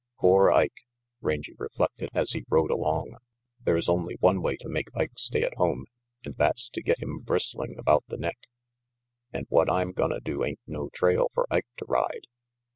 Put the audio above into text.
"Poor Ike," Rangy reflected, as he rode along. " There's only one way to make Ike stay at home, and that's to get him bristling about the neck. And what I'm gonna do ain't no trail for Ike to ride."